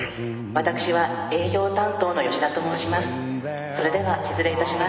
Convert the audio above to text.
私は営業担当の吉田と申します。